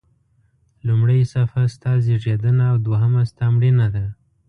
لومړۍ صفحه ستا زیږېدنه او دوهمه ستا مړینه ده.